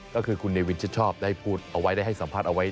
ก็คือคุณเนวินชิดชอบได้พูดเอาไว้ได้ให้สัมภาษณ์เอาไว้